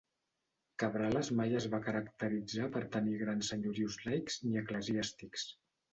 Cabrales mai es va caracteritzar per tenir grans senyorius laics, ni eclesiàstics.